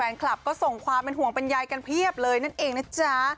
แฟนคลับก็ส่งความเป็นห่วงเป็นใยกันเพียบเลยนั่นเองนะจ๊ะ